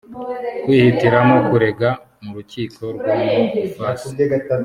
kwihitiramo kurega mu rukiko rwo mu ifasi